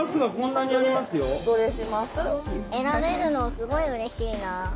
選べるのすごいうれしいな。